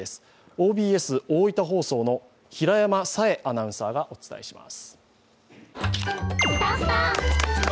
ＯＢＳ大分放送の平山沙絵アナウンサーがお伝えします。